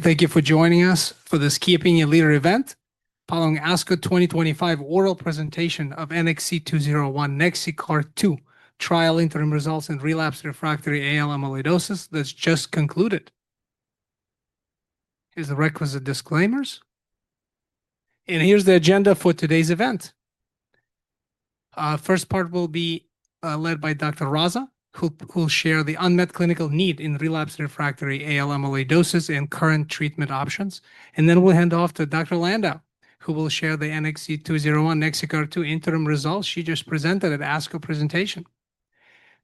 Thank you for joining us for this Keeping It Leader event, following ASCO 2025 oral presentation of NXC-201 NEXICART-2 trial interim results in relapsed/refractory AL amyloidosis that's just concluded. Here's the requisite disclaimers, and here's the agenda for today's event. First part will be led by Dr. Raza, who will share the unmet clinical need in relapsed/refractory AL amyloidosis and current treatment options. Then we'll hand off to Dr. Landau, who will share the NXC-201 NEXICART-2 interim results she just presented at ASCO presentation.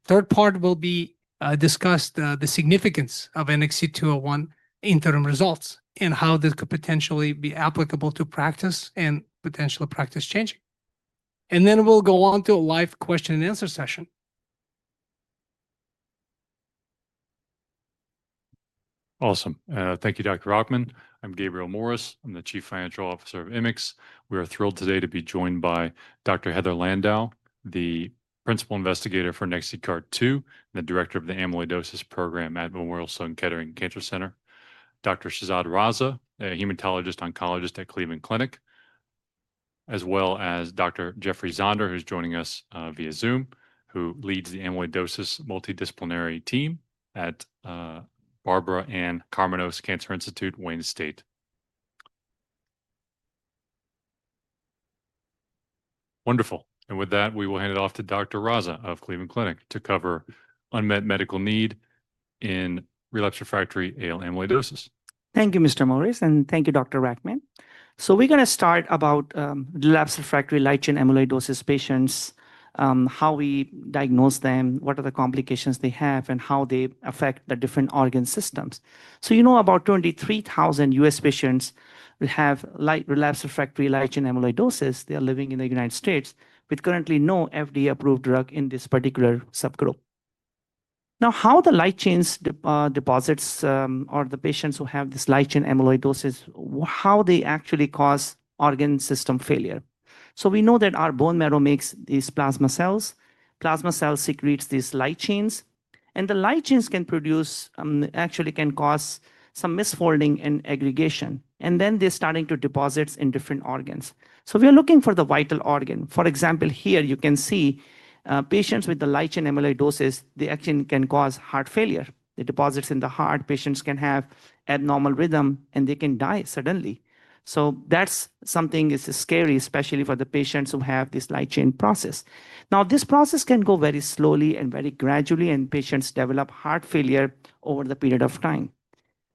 Third part will be discussing the significance of NXC-201 interim results and how this could potentially be applicable to practice and potentially practice changing. Then we'll go on to a live question and answer session. Awesome. Thank you, Dr. Rachman. I'm Gabriel Morris. I'm the Chief Financial Officer of Immix Biopharma. We are thrilled today to be joined by Dr. Heather Landau, the Principal Investigator for NEXICART-2 and the Director of the Amyloidosis Program at Memorial Sloan Kettering Cancer Center, Dr. Shahzad Raza, a hematologist-oncologist at Cleveland Clinic, as well as Dr. Jeffrey Zander, who's joining us via Zoom, who leads the amyloidosis multidisciplinary team at Barbara Ann Karmanos Cancer Institute, Wayne State University. Wonderful. With that, we will hand it off to Dr. Raza of Cleveland Clinic to cover unmet medical need in relapsed/refractory AL amyloidosis. Thank you, Mr. Morris, and thank you, Dr. Rachman. We're going to start about relapsed/refractory light chain amyloidosis patients, how we diagnose them, what are the complications they have, and how they affect the different organ systems. You know about 23,000 U.S. patients have relapsed/refractory light chain amyloidosis. They are living in the United States with currently no FDA-approved drug in this particular subgroup. Now, how the light chains deposit, or the patients who have this light chain amyloidosis, how they actually cause organ system failure. We know that our bone marrow makes these plasma cells. Plasma cells secrete these light chains. The light chains can produce, actually can cause some misfolding and aggregation. Then they're starting to deposit in different organs. We are looking for the vital organ. For example, here you can see patients with the light chain amyloidosis, they actually can cause heart failure. They deposit in the heart. Patients can have abnormal rhythm, and they can die suddenly. That's something that's scary, especially for the patients who have this light chain process. Now, this process can go very slowly and very gradually, and patients develop heart failure over the period of time.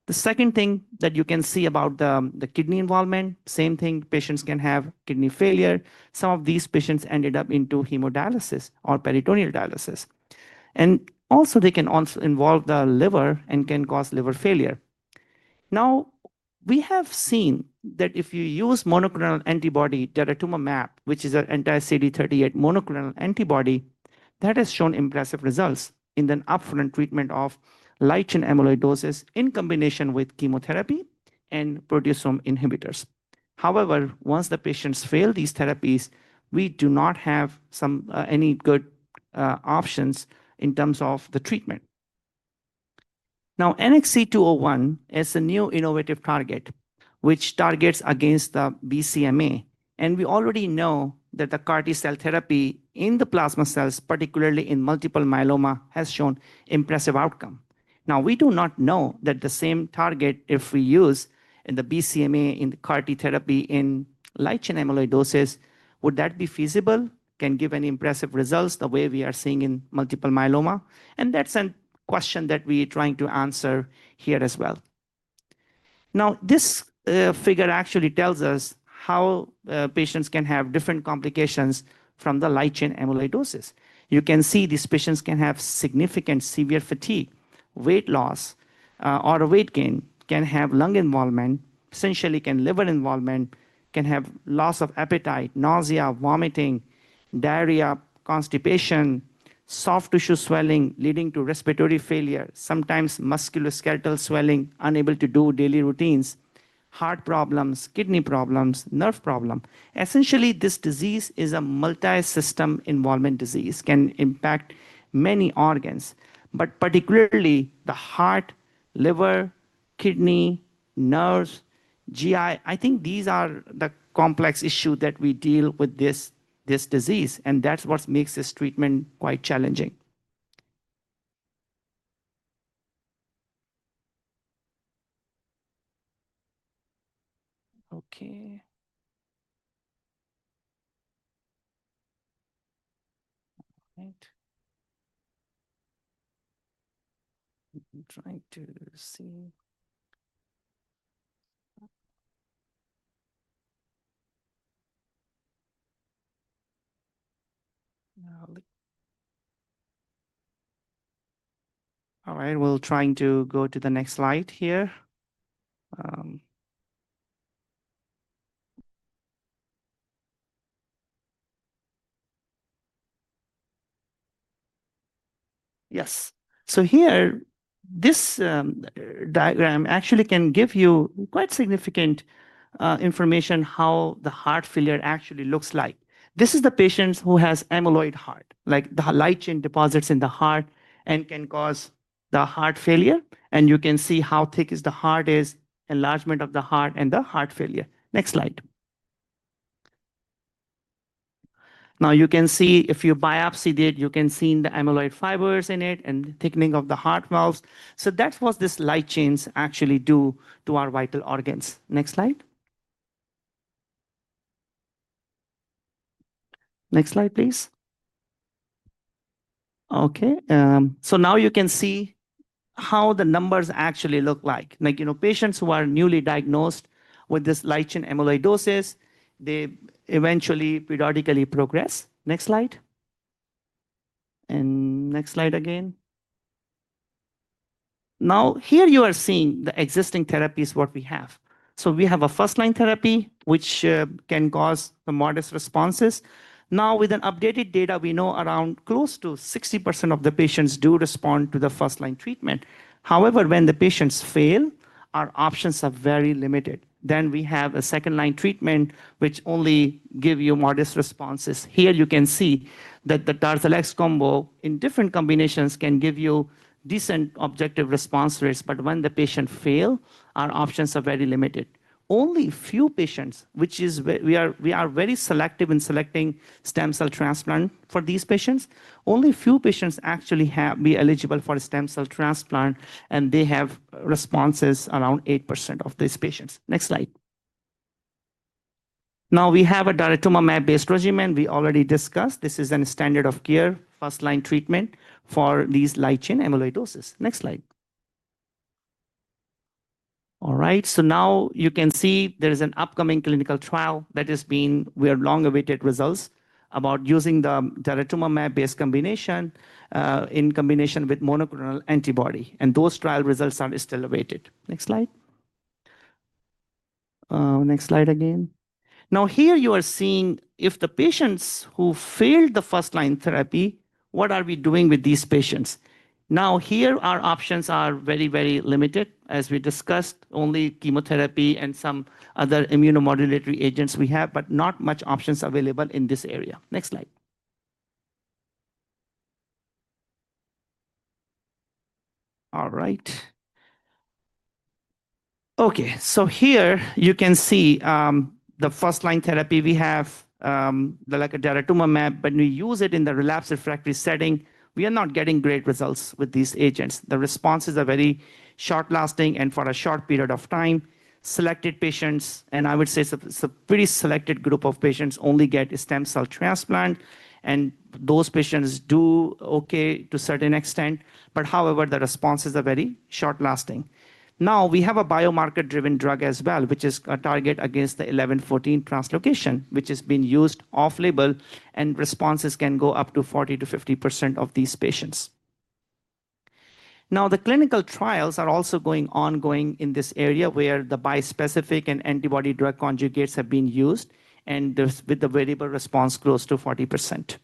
The second thing that you can see about the kidney involvement, same thing, patients can have kidney failure. Some of these patients ended up into hemodialysis or peritoneal dialysis. Also, they can also involve the liver and can cause liver failure. Now, we have seen that if you use monoclonal antibody, daratumumab, which is an anti-CD38 monoclonal antibody, that has shown impressive results in the upfront treatment of light chain amyloidosis in combination with chemotherapy and proteasome inhibitors. However, once the patients fail these therapies, we do not have any good options in terms of the treatment. Now, NXC-201 is a new innovative target, which targets against the BCMA. We already know that the CAR T-cell therapy in the plasma cells, particularly in multiple myeloma, has shown impressive outcome. We do not know that the same target, if we use the BCMA in CAR T therapy in light chain amyloidosis, would that be feasible, can give any impressive results the way we are seeing in multiple myeloma. That is a question that we are trying to answer here as well. This figure actually tells us how patients can have different complications from the light chain amyloidosis. You can see these patients can have significant severe fatigue, weight loss, or weight gain, can have lung involvement, essentially can have liver involvement, can have loss of appetite, nausea, vomiting, diarrhea, constipation, soft tissue swelling leading to respiratory failure, sometimes musculoskeletal swelling, unable to do daily routines, heart problems, kidney problems, nerve problems. Essentially, this disease is a multi-system involvement disease, can impact many organs, but particularly the heart, liver, kidney, nerves, GI. I think these are the complex issues that we deal with this disease. That is what makes this treatment quite challenging. Okay. All right. I'm trying to see. All right. We're trying to go to the next slide here. Yes. Here, this diagram actually can give you quite significant information how the heart failure actually looks like. This is the patient who has amyloid heart, like the light chain deposits in the heart and can cause the heart failure. You can see how thick the heart is, enlargement of the heart, and the heart failure. Next slide. Now, you can see if you biopsy it, you can see the amyloid fibers in it and thickening of the heart valves. That is what these light chains actually do to our vital organs. Next slide. Next slide, please. Okay. Now you can see how the numbers actually look like. Like, you know, patients who are newly diagnosed with this light chain amyloidosis, they eventually periodically progress. Next slide. Next slide again. Now, here you are seeing the existing therapies, what we have. We have a first-line therapy, which can cause the modest responses. Now, with updated data, we know around close to 60% of the patients do respond to the first-line treatment. However, when the patients fail, our options are very limited. We have a second-line treatment, which only gives you modest responses. Here you can see that the Darzalex combo in different combinations can give you decent objective response rates. When the patient fails, our options are very limited. Only a few patients, which is we are very selective in selecting stem cell transplant for these patients. Only a few patients actually are eligible for a stem cell transplant, and they have responses around 8% of these patients. Next slide. Now, we have a daratumumab-based regimen we already discussed. This is a standard of care first-line treatment for these light chain amyloidosis. Next slide. All right. Now you can see there is an upcoming clinical trial that we have long-awaited results about, using the daratumumab-based combination in combination with monoclonal antibody. Those trial results are still awaited. Next slide. Next slide again. Here you are seeing if the patients who failed the first-line therapy, what are we doing with these patients? Here our options are very, very limited. As we discussed, only chemotherapy and some other immunomodulatory agents we have, but not much options available in this area. Next slide. All right. Okay. Here you can see the first-line therapy we have, like daratumumab, but we use it in the relapsed refractory setting. We are not getting great results with these agents. The responses are very short-lasting and for a short period of time. Selected patients, and I would say it's a pretty selected group of patients, only get a stem cell transplant. Those patients do okay to a certain extent. However, the responses are very short-lasting. Now, we have a biomarker-driven drug as well, which is a target against the 11-14 translocation, which has been used off-label, and responses can go up to 40%-50% of these patients. Now, the clinical trials are also ongoing in this area where the bispecific and antibody drug conjugates have been used, and with the variable response close to 40%.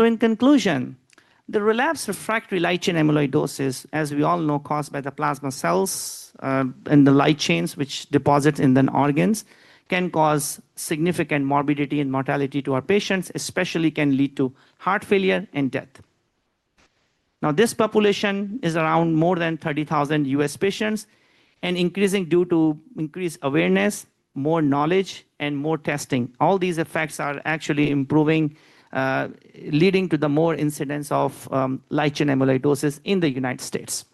In conclusion, the relapsed refractory light chain amyloidosis, as we all know, caused by the plasma cells and the light chains, which deposit in the organs, can cause significant morbidity and mortality to our patients, especially can lead to heart failure and death. This population is around more than 30,000 U.S. patients and increasing due to increased awareness, more knowledge, and more testing. All these effects are actually improving, leading to the more incidence of light chain amyloidosis in the United States.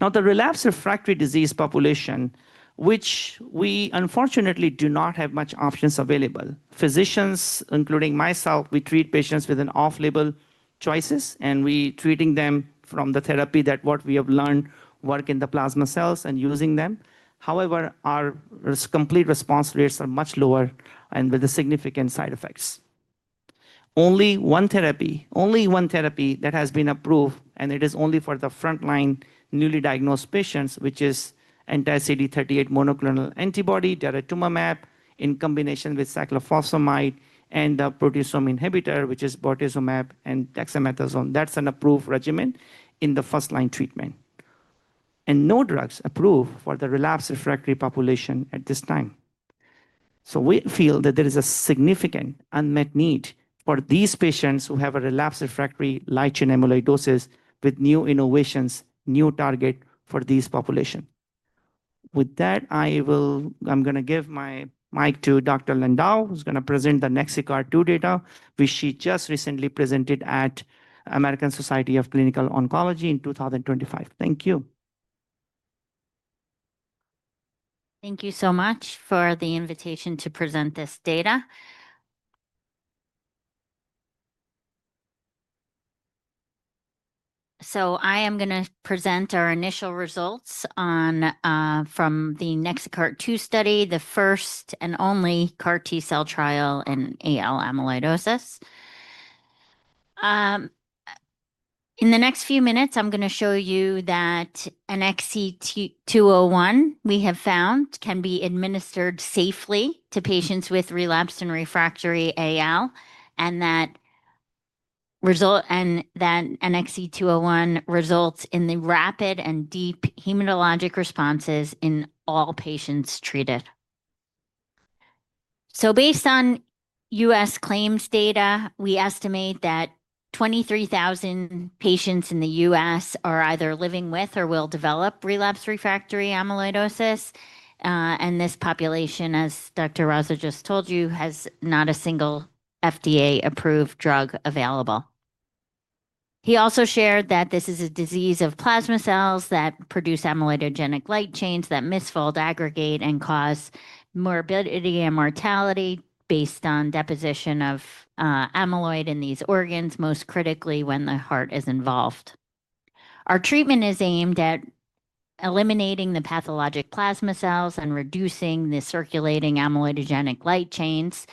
Now, the relapsed refractory disease population, which we unfortunately do not have much options available. Physicians, including myself, we treat patients with off-label choices, and we're treating them from the therapy that what we have learned work in the plasma cells and using them. However, our complete response rates are much lower and with significant side effects. Only one therapy, only one therapy that has been approved, and it is only for the front-line newly diagnosed patients, which is anti-CD38 monoclonal antibody, daratumumab in combination with cyclophosphamide and the proteasome inhibitor, which is bortezomib and dexamethasone. That's an approved regimen in the first-line treatment. No drugs approved for the relapsed refractory population at this time. We feel that there is a significant unmet need for these patients who have a relapsed refractory light chain amyloidosis with new innovations, new target for these population. With that, I will give my mic to Dr. Landau, who's going to present the NEXICART-2 data, which she just recently presented at American Society of Clinical Oncology in 2025. Thank you. Thank you so much for the invitation to present this data. I am going to present our initial results from the NEXICART-2 study, the first and only CAR T-cell trial in AL amyloidosis. In the next few minutes, I'm going to show you that NXC-201 we have found can be administered safely to patients with relapsed and refractory AL, and that NXC-201 results in rapid and deep hematologic responses in all patients treated. Based on U.S. claims data, we estimate that 23,000 patients in the U.S. are either living with or will develop relapsed refractory amyloidosis. This population, as Dr. Raza just told you, has not a single FDA-approved drug available. He also shared that this is a disease of plasma cells that produce amyloidogenic light chains that misfold, aggregate, and cause morbidity and mortality based on deposition of amyloid in these organs, most critically when the heart is involved. Our treatment is aimed at eliminating the pathologic plasma cells and reducing the circulating amyloidogenic light chains.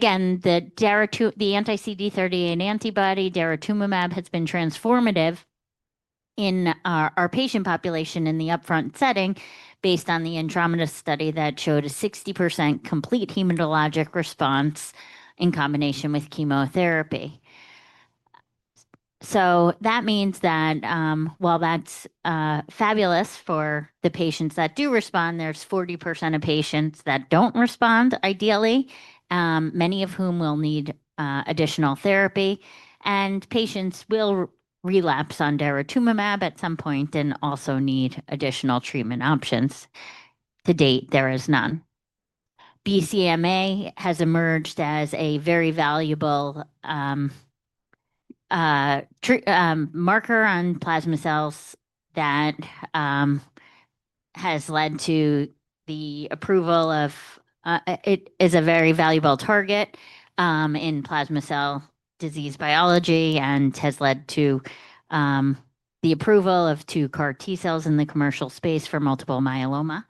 The anti-CD38 antibody, daratumumab, has been transformative in our patient population in the upfront setting based on the Intramedus study that showed a 60% complete hematologic response in combination with chemotherapy. That means that while that's fabulous for the patients that do respond, there's 40% of patients that don't respond ideally, many of whom will need additional therapy. Patients will relapse on daratumumab at some point and also need additional treatment options. To date, there is none. BCMA has emerged as a very valuable marker on plasma cells that has led to the approval of, it is a very valuable target in plasma cell disease biology and has led to the approval of two CAR T cells in the commercial space for multiple myeloma.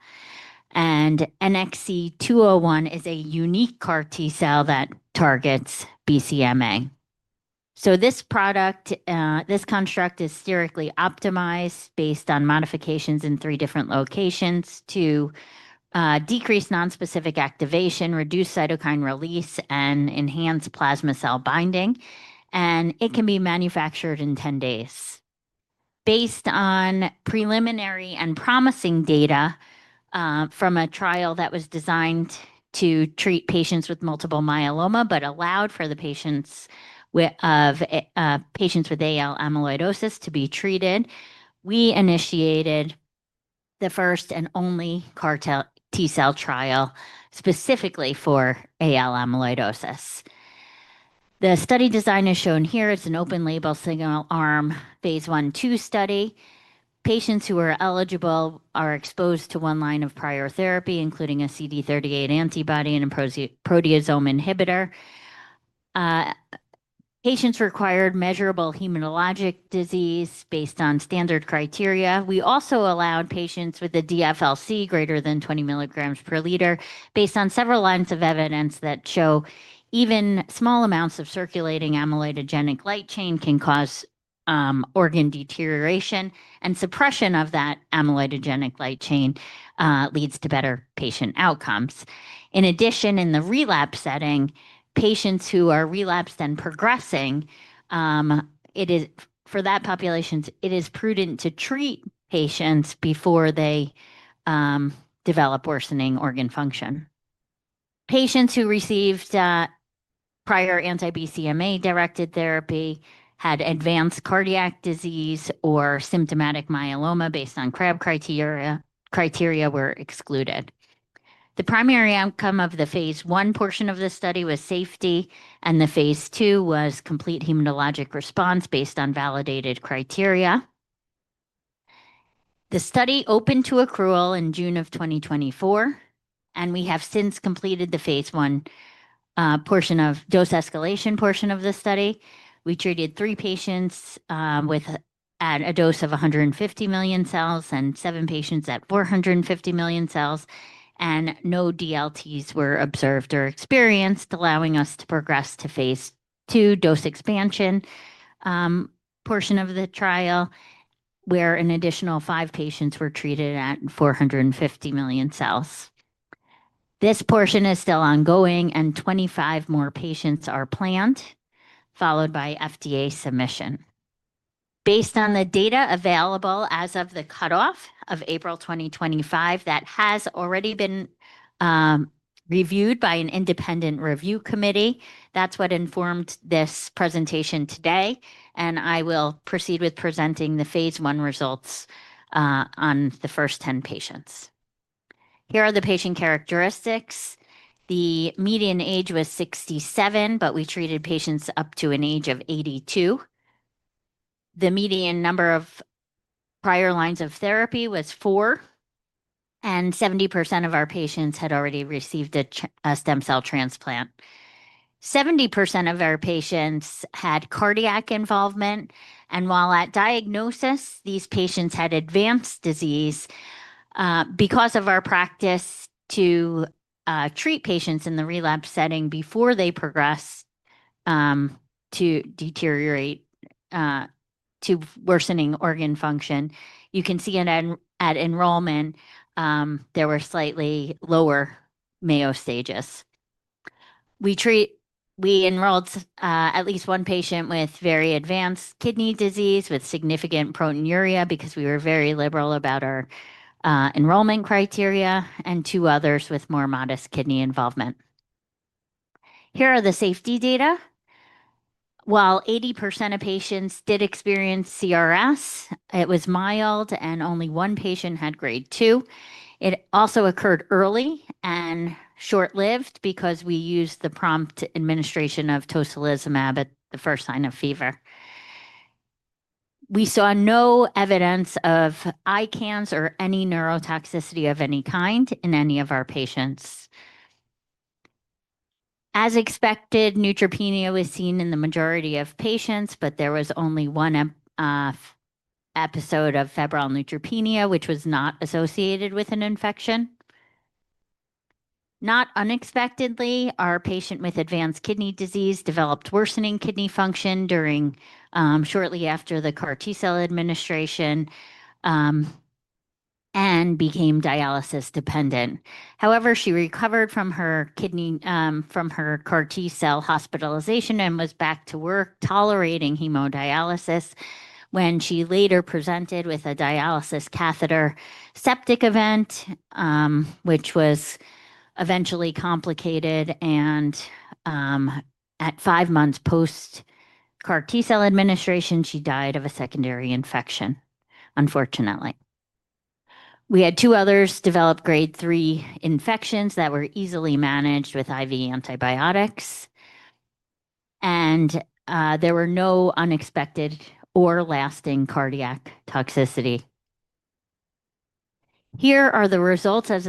NXC-201 is a unique CAR T-cell that targets BCMA. This product, this construct is theoretically optimized based on modifications in three different locations to decrease nonspecific activation, reduce cytokine release, and enhance plasma cell binding. It can be manufactured in 10 days. Based on preliminary and promising data from a trial that was designed to treat patients with multiple myeloma, but allowed for the patients of patients with AL amyloidosis to be treated, we initiated the first and only CAR T-cell trial specifically for AL amyloidosis. The study design is shown here. It's an open-label single-arm phase I/II study. Patients who are eligible are exposed to one line of prior therapy, including a CD38 antibody and a proteasome inhibitor. Patients required measurable hematologic disease based on standard criteria. We also allowed patients with a DFLC greater than 20 mg/L based on several lines of evidence that show even small amounts of circulating amyloidogenic light chain can cause organ deterioration, and suppression of that amyloidogenic light chain leads to better patient outcomes. In addition, in the relapse setting, patients who are relapsed and progressing, for that population, it is prudent to treat patients before they develop worsening organ function. Patients who received prior anti-BCMA-directed therapy, had advanced cardiac disease, or symptomatic myeloma based on CREB criteria were excluded. The primary outcome of the phase I portion of the study was safety, and the phase II was complete hematologic response based on validated criteria. The study opened to accrual in June of 2024, and we have since completed the phase I portion of dose escalation portion of the study. We treated three patients with a dose of 150 million cells and seven patients at 450 million cells, and no DLTs were observed or experienced, allowing us to progress to phase II dose expansion portion of the trial, where an additional five patients were treated at 450 million cells. This portion is still ongoing, and 25 more patients are planned, followed by FDA submission. Based on the data available as of the cutoff of April 2025, that has already been reviewed by an independent review committee. That's what informed this presentation today, and I will proceed with presenting the phase I results on the first 10 patients. Here are the patient characteristics. The median age was 67, but we treated patients up to an age of 82. The median number of prior lines of therapy was four, and 70% of our patients had already received a stem cell transplant. 70% of our patients had cardiac involvement, and while at diagnosis, these patients had advanced disease because of our practice to treat patients in the relapse setting before they progress to deteriorate to worsening organ function. You can see at enrollment, there were slightly lower Mayo stages. We enrolled at least one patient with very advanced kidney disease with significant proteinuria because we were very liberal about our enrollment criteria, and two others with more modest kidney involvement. Here are the safety data. While 80% of patients did experience CRS, it was mild, and only one patient had grade 2. It also occurred early and was short-lived because we used the prompt administration of tocilizumab at the first sign of fever. We saw no evidence of ICANS or any neurotoxicity of any kind in any of our patients. As expected, neutropenia was seen in the majority of patients, but there was only one episode of febrile neutropenia, which was not associated with an infection. Not unexpectedly, our patient with advanced kidney disease developed worsening kidney function shortly after the CAR T-cell administration and became dialysis dependent. However, she recovered from her CAR T-cell hospitalization and was back to work tolerating hemodialysis when she later presented with a dialysis catheter septic event, which was eventually complicated. At five months post-CAR T-cell administration, she died of a secondary infection, unfortunately. We had two others develop grade 3 infections that were easily managed with IV antibiotics, and there were no unexpected or lasting cardiac toxicity. Here are the results of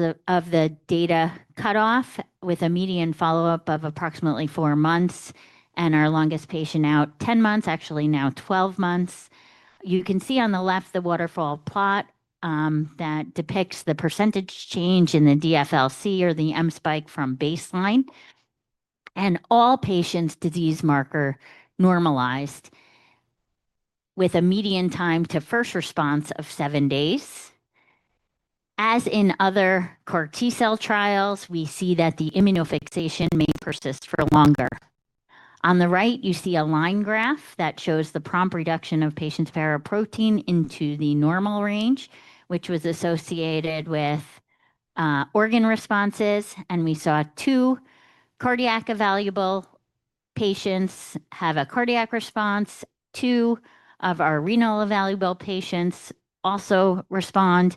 the data cutoff with a median follow-up of approximately four months and our longest patient out 10 months, actually now 12 months. You can see on the left the waterfall plot that depicts the percentage change in the DFLC or the M-spike from baseline. And all patients' disease marker normalized with a median time to first response of seven days. As in other CAR T-cell trials, we see that the immunofixation may persist for longer. On the right, you see a line graph that shows the prompt reduction of patients' paraprotein into the normal range, which was associated with organ responses. And we saw two cardiac available patients have a cardiac response. Two of our renal available patients also respond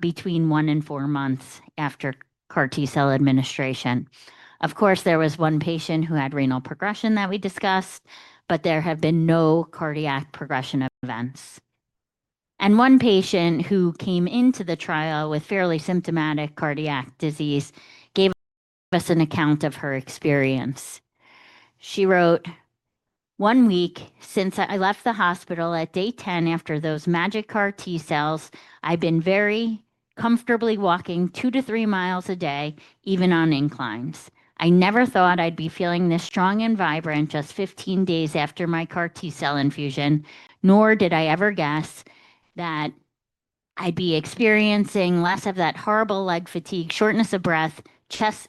between one and four months after CAR T-cell administration. Of course, there was one patient who had renal progression that we discussed, but there have been no cardiac progression events. One patient who came into the trial with fairly symptomatic cardiac disease gave us an account of her experience. She wrote, "One week since I left the hospital at day 10 after those magic CAR T cells, I've been very comfortably walking two to three miles a day, even on inclines. I never thought I'd be feeling this strong and vibrant just 15 days after my CAR T-cell infusion, nor did I ever guess that I'd be experiencing less of that horrible leg fatigue, shortness of breath,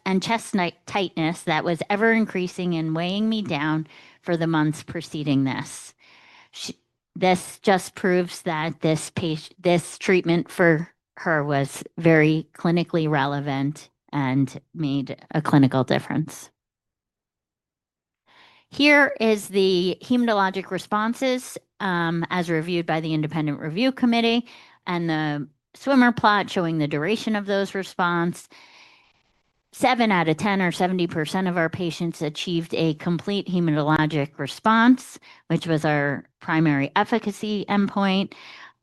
and chest tightness that was ever increasing and weighing me down for the months preceding this. This just proves that this treatment for her was very clinically relevant and made a clinical difference. Here is the hematologic responses as reviewed by the independent review committee and the swimmer plot showing the duration of those responses. Seven out of 10 or 70% of our patients achieved a complete hematologic response, which was our primary efficacy endpoint.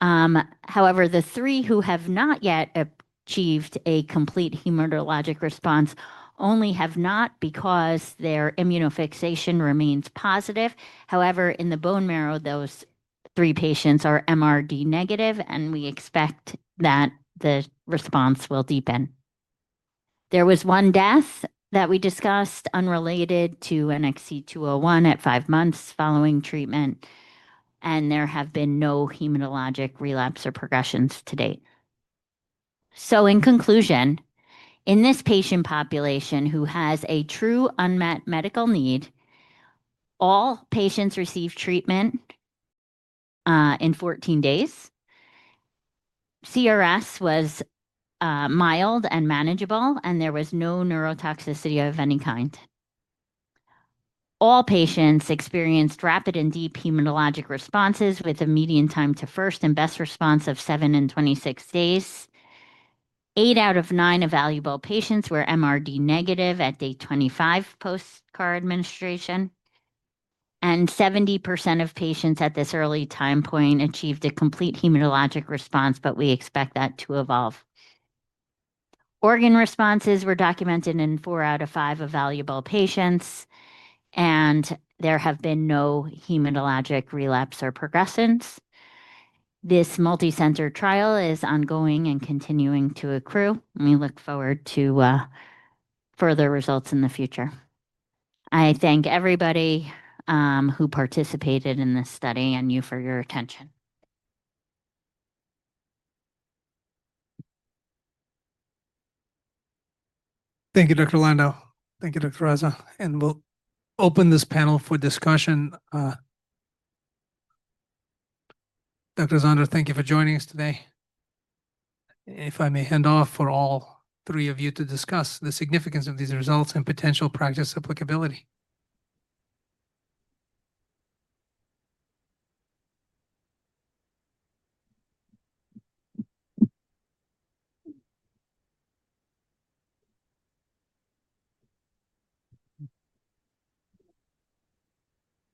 However, the three who have not yet achieved a complete hematologic response only have not because their immunofixation remains positive. However, in the bone marrow, those three patients are MRD negative, and we expect that the response will deepen. There was one death that we discussed unrelated to NXC-201 at five months following treatment, and there have been no hematologic relapse or progressions to date. In conclusion, in this patient population who has a true unmet medical need, all patients received treatment in 14 days. CRS was mild and manageable, and there was no neurotoxicity of any kind. All patients experienced rapid and deep hematologic responses with a median time to first and best response of seven and 26 days. Eight out of nine available patients were MRD negative at day 25 post-CAR administration, and 70% of patients at this early time point achieved a complete hematologic response, but we expect that to evolve. Organ responses were documented in four out of five available patients, and there have been no hematologic relapse or progressions. This multicenter trial is ongoing and continuing to accrue. We look forward to further results in the future. I thank everybody who participated in this study and you for your attention. Thank you, Dr. Landau. Thank you, Dr. Raza. We will open this panel for discussion. Dr. Zander, thank you for joining us today. If I may hand off for all three of you to discuss the significance of these results and potential practice applicability.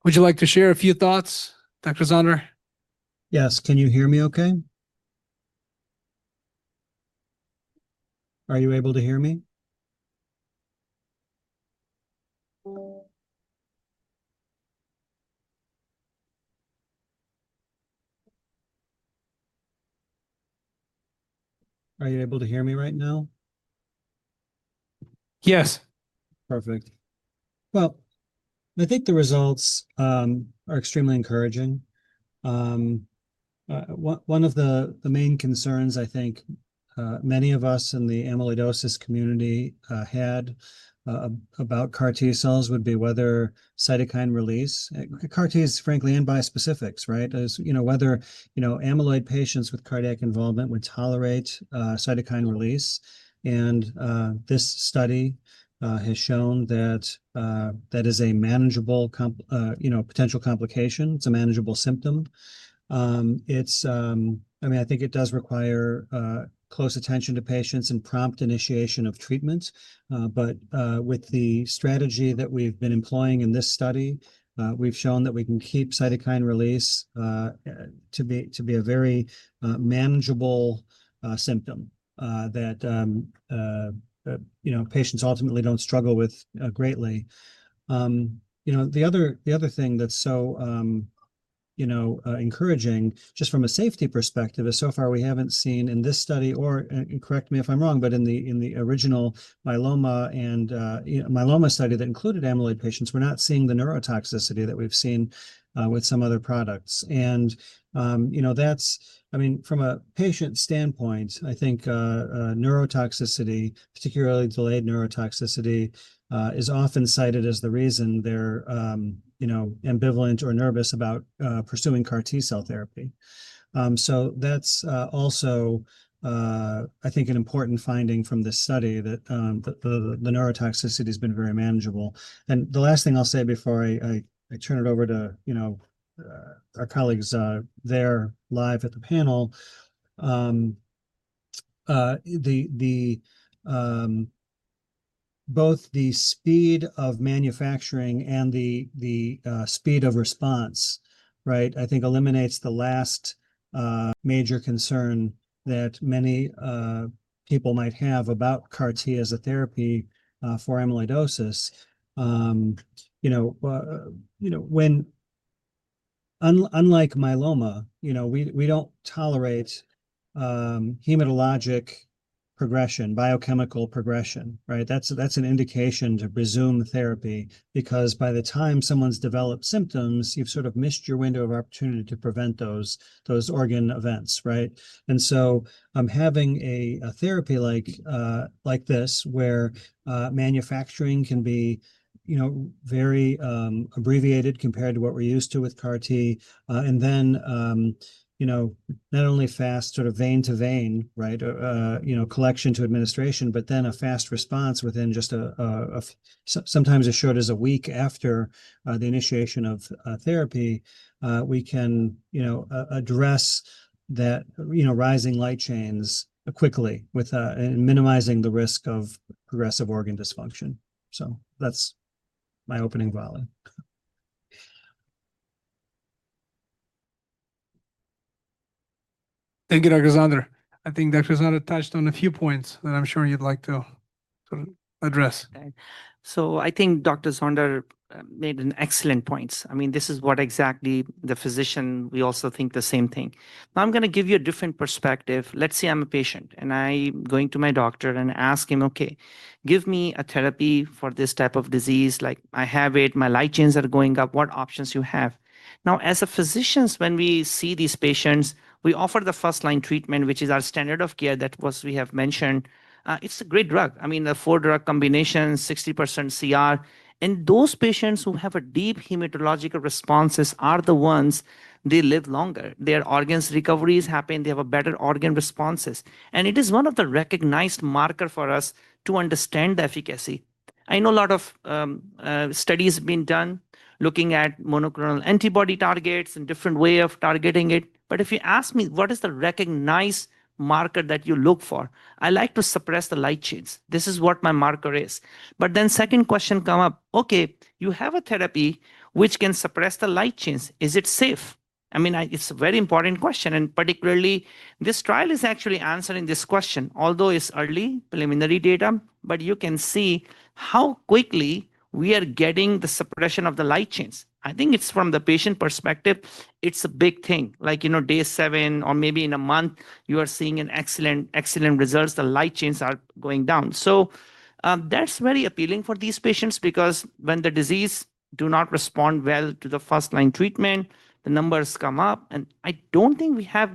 Would you like to share a few thoughts, Dr. Zander? Yes. Can you hear me okay? Are you able to hear me? Are you able to hear me right now? Yes. Perfect. I think the results are extremely encouraging. One of the main concerns I think many of us in the amyloidosis community had about CAR T-cells would be whether cytokine release, CAR T is frankly in bispecifics, right? Whether amyloid patients with cardiac involvement would tolerate cytokine release. This study has shown that that is a manageable potential complication. It's a manageable symptom. I mean, I think it does require close attention to patients and prompt initiation of treatment. With the strategy that we've been employing in this study, we've shown that we can keep cytokine release to be a very manageable symptom that patients ultimately don't struggle with greatly. The other thing that's so encouraging just from a safety perspective is so far we haven't seen in this study, or correct me if I'm wrong, but in the original myeloma study that included amyloid patients, we're not seeing the neurotoxicity that we've seen with some other products. I mean, from a patient standpoint, I think neurotoxicity, particularly delayed neurotoxicity, is often cited as the reason they're ambivalent or nervous about pursuing CAR T-cell therapy. That's also, I think, an important finding from this study that the neurotoxicity has been very manageable. The last thing I'll say before I turn it over to our colleagues there live at the panel, both the speed of manufacturing and the speed of response, right, I think eliminates the last major concern that many people might have about CAR T as a therapy for amyloidosis. Unlike myeloma, we don't tolerate hematologic progression, biochemical progression, right? That's an indication to resume therapy because by the time someone's developed symptoms, you've sort of missed your window of opportunity to prevent those organ events, right? Having a therapy like this where manufacturing can be very abbreviated compared to what we're used to with CAR T, and then not only fast sort of vein to vein, right, collection to administration, but then a fast response within just sometimes as short as a week after the initiation of therapy, we can address that rising light chains quickly and minimizing the risk of progressive organ dysfunction. That's my opening volume. Thank you, Dr. Zander. I think Dr. Zander touched on a few points that I'm sure you'd like to address. I think Dr. Zander made excellent points.I mean, this is what exactly the physician, we also think the same thing. Now I'm going to give you a different perspective. Let's say I'm a patient and I'm going to my doctor and ask him, "Okay, give me a therapy for this type of disease. I have it. My light chains are going up. What options do you have?" Now, as physicians, when we see these patients, we offer the first-line treatment, which is our standard of care that we have mentioned. It's a great drug. I mean, the four-drug combination, 60% CR. Those patients who have deep hematological responses are the ones they live longer. Their organs recover happen. They have better organ responses. It is one of the recognized markers for us to understand the efficacy. I know a lot of studies have been done looking at monoclonal antibody targets and different ways of targeting it. If you ask me, what is the recognized marker that you look for? I like to suppress the light chains. This is what my marker is. The second question comes up, "Okay, you have a therapy which can suppress the light chains. Is it safe?" I mean, it's a very important question. Particularly, this trial is actually answering this question, although it's early preliminary data, but you can see how quickly we are getting the suppression of the light chains. I think it's from the patient perspective, it's a big thing. Like day seven or maybe in a month, you are seeing excellent results. The light chains are going down. That is very appealing for these patients because when the disease does not respond well to the first-line treatment, the numbers come up. I do not think we have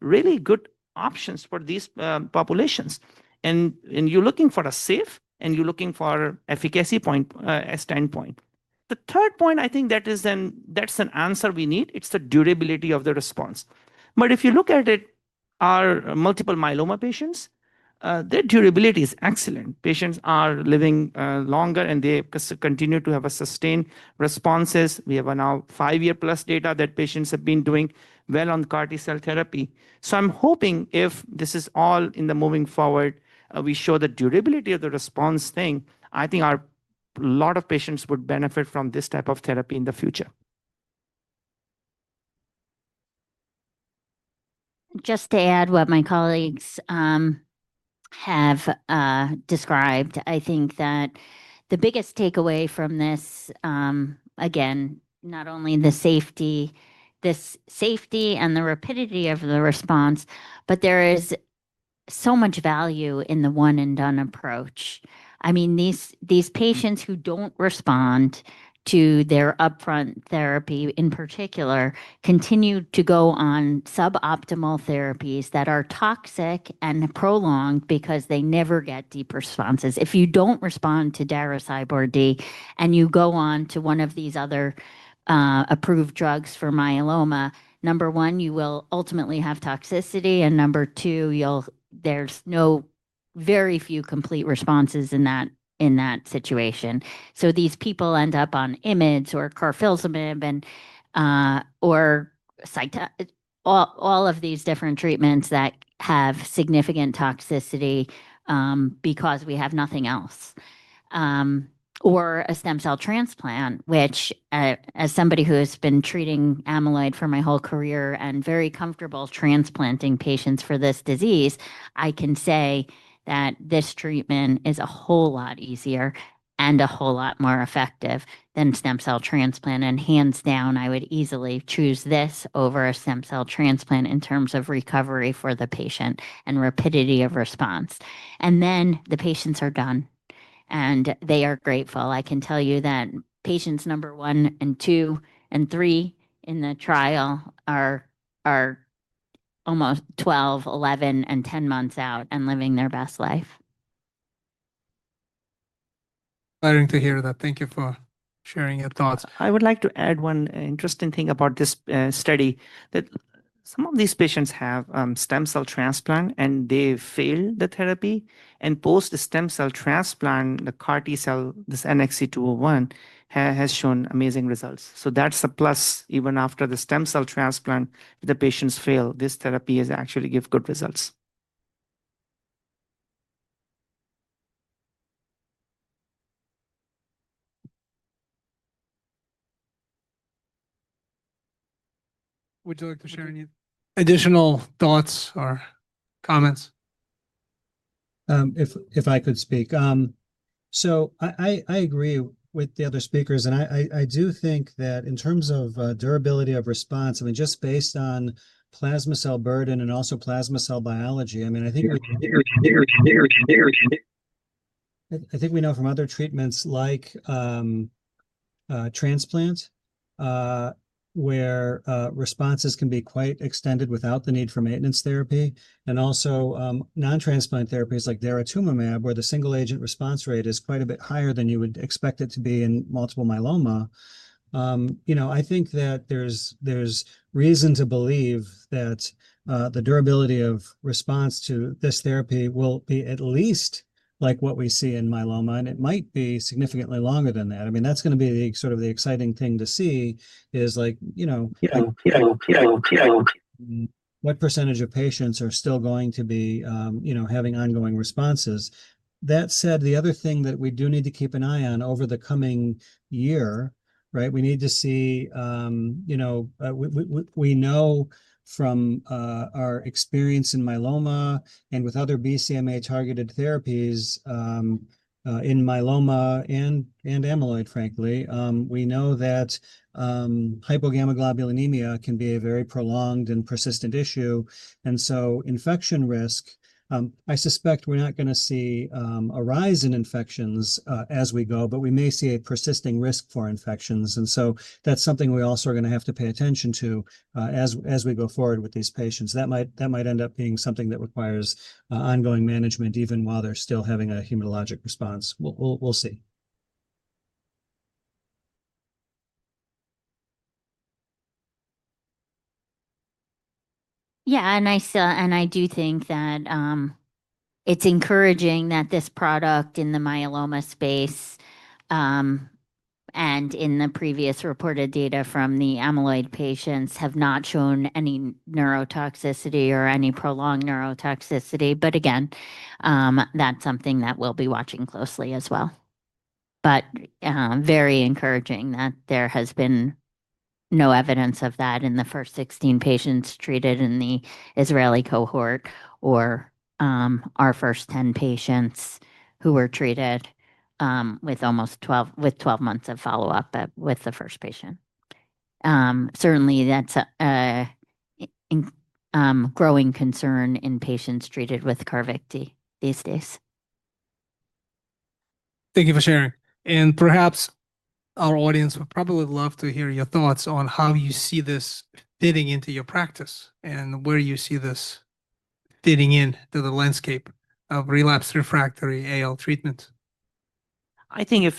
really good options for these populations. You are looking for a safe and you are looking for efficacy point standpoint. The third point, I think that is an answer we need. It is the durability of the response. If you look at it, our multiple myeloma patients, their durability is excellent. Patients are living longer and they continue to have sustained responses. We have now five-year plus data that patients have been doing well on CAR T-cell therapy. I am hoping if this is all in the moving forward, we show the durability of the response thing, I think a lot of patients would benefit from this type of therapy in the future. Just to add what my colleagues have described, I think that the biggest takeaway from this, again, not only the safety, this safety and the rapidity of the response, but there is so much value in the one-and-done approach. I mean, these patients who do not respond to their upfront therapy in particular continue to go on suboptimal therapies that are toxic and prolonged because they never get deep responses. If you do not respond to Darzalex-CyBorD and you go on to one of these other approved drugs for myeloma, number one, you will ultimately have toxicity. Number two, there are very few complete responses in that situation. These people end up on Immids or carfilzomib or all of these different treatments that have significant toxicity because we have nothing else, or a stem cell transplant, which as somebody who has been treating amyloid for my whole career and very comfortable transplanting patients for this disease, I can say that this treatment is a whole lot easier and a whole lot more effective than stem cell transplant. Hands down, I would easily choose this over a stem cell transplant in terms of recovery for the patient and rapidity of response. The patients are done. They are grateful. I can tell you that patients number one, two, and three in the trial are almost 12, 11, and 10 months out and living their best life. Glad to hear that. Thank you for sharing your thoughts. I would like to add one interesting thing about this study that some of these patients have stem cell transplant and they fail the therapy. And post-stem cell transplant, the CAR T-cell, this NXC-201 has shown amazing results. So that's a plus even after the stem cell transplant, the patients fail. This therapy actually gives good results. Would you like to share any additional thoughts or comments? If I could speak. I agree with the other speakers. I do think that in terms of durability of response, I mean, just based on plasma cell burden and also plasma cell biology, I mean, I think we know from other treatments like transplant where responses can be quite extended without the need for maintenance therapy. Also, non-transplant therapies like daratumumab, where the single-agent response rate is quite a bit higher than you would expect it to be in multiple myeloma. I think that there's reason to believe that the durability of response to this therapy will be at least like what we see in myeloma. It might be significantly longer than that. I mean, that's going to be sort of the exciting thing to see is what percentage of patients are still going to be having ongoing responses. That said, the other thing that we do need to keep an eye on over the coming year, right? We need to see, we know from our experience in myeloma and with other BCMA-targeted therapies in myeloma and amyloid, frankly, we know that hypogammaglobulinemia can be a very prolonged and persistent issue. Infection risk, I suspect we're not going to see a rise in infections as we go, but we may see a persisting risk for infections. That is something we also are going to have to pay attention to as we go forward with these patients. That might end up being something that requires ongoing management even while they're still having a hematologic response. We'll see. Yeah. I do think that it's encouraging that this product in the myeloma space and in the previous reported data from the amyloid patients have not shown any neurotoxicity or any prolonged neurotoxicity. Again, that is something that we'll be watching closely as well. Very encouraging that there has been no evidence of that in the first 16 patients treated in the Israeli cohort or our first 10 patients who were treated with 12 months of follow-up with the first patient. Certainly, that's a growing concern in patients treated with Carvykti these days. Thank you for sharing. Perhaps our audience would probably love to hear your thoughts on how you see this fitting into your practice and where you see this fitting into the landscape of relapsed/refractory AL treatment. I think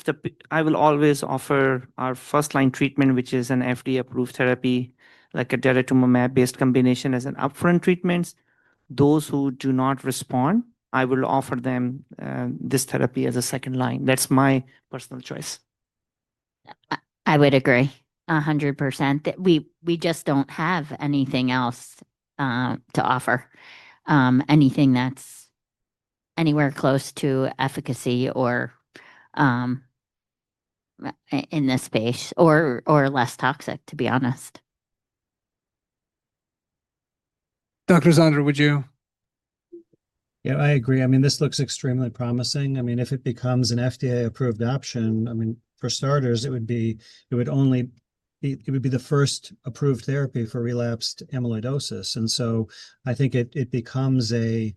I will always offer our first-line treatment, which is an FDA-approved therapy like a Darzalex-based combination as an upfront treatment. Those who do not respond, I will offer them this therapy as a second line. That's my personal choice. I would agree 100%. We just do not have anything else to offer, anything that is anywhere close to efficacy in this space or less toxic, to be honest. Dr. Zander, would you? Yeah, I agree. I mean, this looks extremely promising. I mean, if it becomes an FDA-approved option, I mean, for starters, it would be the first approved therapy for relapsed amyloidosis. I think it becomes a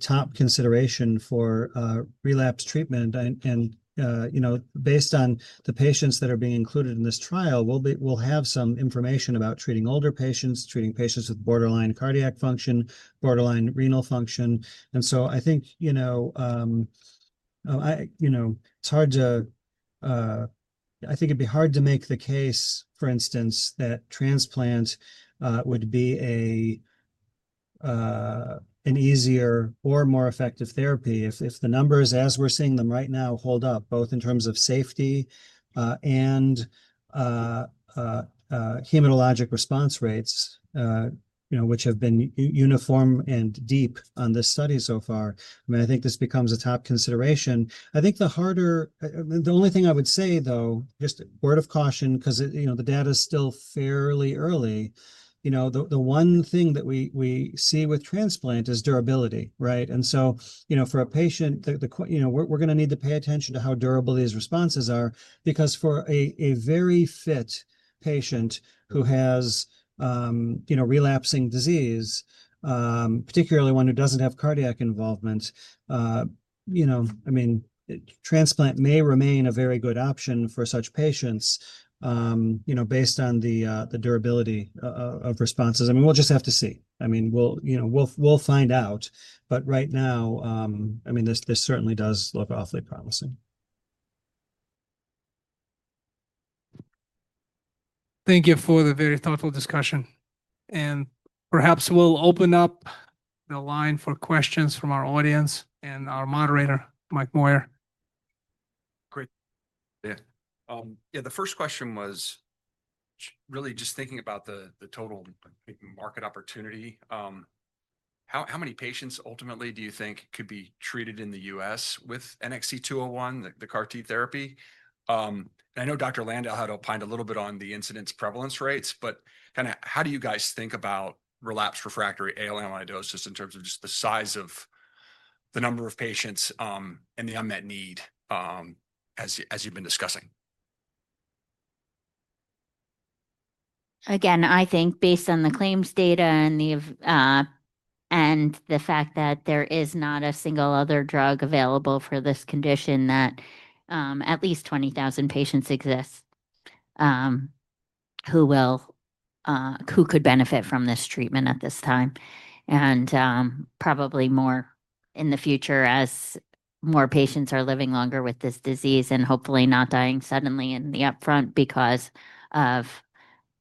top consideration for relapse treatment. Based on the patients that are being included in this trial, we will have some information about treating older patients, treating patients with borderline cardiac function, borderline renal function. I think it's hard to—I think it'd be hard to make the case, for instance, that transplant would be an easier or more effective therapy if the numbers, as we're seeing them right now, hold up both in terms of safety and hematologic response rates, which have been uniform and deep on this study so far. I mean, I think this becomes a top consideration. I think the harder—the only thing I would say, though, just a word of caution because the data is still fairly early. The one thing that we see with transplant is durability, right? For a patient, we're going to need to pay attention to how durable these responses are because for a very fit patient who has relapsing disease, particularly one who does not have cardiac involvement, transplant may remain a very good option for such patients based on the durability of responses. We'll just have to see. We'll find out. Right now, this certainly does look awfully promising. Thank you for the very thoughtful discussion. Perhaps we'll open up the line for questions from our audience and our moderator, Mike Moyer. Great. The first question was really just thinking about the total market opportunity. How many patients ultimately do you think could be treated in the U.S. with NXC-201, the CAR T therapy? I know Dr. Landau had opined a little bit on the incidence prevalence rates, but kind of how do you guys think about relapsed/refractory AL amyloidosis in terms of just the size of the number of patients and the unmet need as you've been discussing? Again, I think based on the claims data and the fact that there is not a single other drug available for this condition, that at least 20,000 patients exist who could benefit from this treatment at this time. Probably more in the future as more patients are living longer with this disease and hopefully not dying suddenly in the upfront because of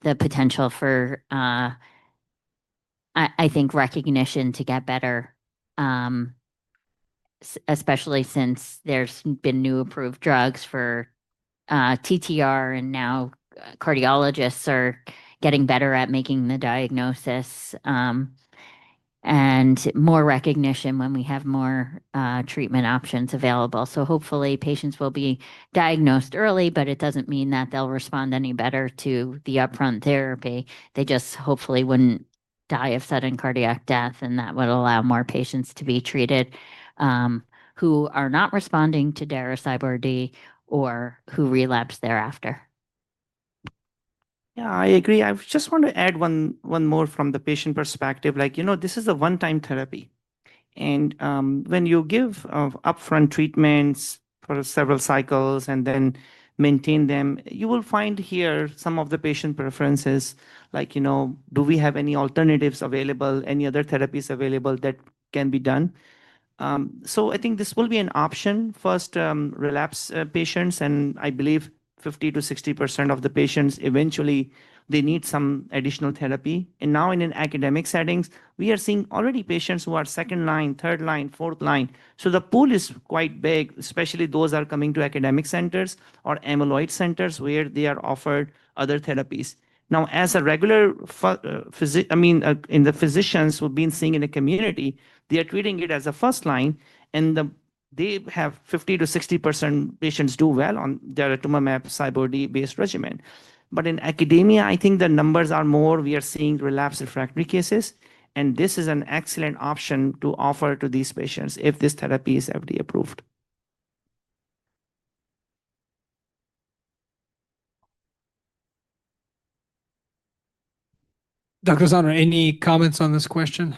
the potential for, I think, recognition to get better, especially since there's been new approved drugs for TTR and now cardiologists are getting better at making the diagnosis and more recognition when we have more treatment options available. Hopefully, patients will be diagnosed early, but it does not mean that they will respond any better to the upfront therapy. They just hopefully would not die of sudden cardiac death, and that would allow more patients to be treated who are not responding to Darzalex-CyBorD or who relapse thereafter. Yeah, I agree. I just want to add one more from the patient perspective. This is a one-time therapy. When you give upfront treatments for several cycles and then maintain them, you will find here some of the patient preferences, like, "Do we have any alternatives available? Any other therapies available that can be done?" I think this will be an option for relapse patients. I believe 50%-60% of the patients eventually need some additional therapy. Now in an academic setting, we are seeing already patients who are second line, third line, fourth line. The pool is quite big, especially those who are coming to academic centers or amyloid centers where they are offered other therapies. Now, as a regular—I mean, in the physicians who have been seeing in the community, they are treating it as a first line. They have 50%-60% patients do well on Darzalex, CyBorD-based regimen. In academia, I think the numbers are more. We are seeing relapsed/refractory cases. This is an excellent option to offer to these patients if this therapy is FDA-approved. Dr. Zander, any comments on this question?